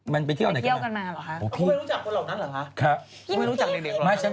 มันไปเที่ยวกันมาเหรอคะ